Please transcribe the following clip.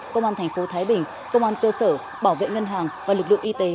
công an tp thái bình công an cơ sở bảo vệ ngân hàng và lực lượng y tế